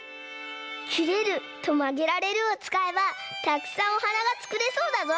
「きれる」と「まげられる」をつかえばたくさんおはながつくれそうだぞ！